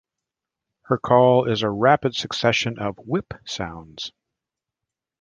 Her call is a rapid succession of "whip" sounds.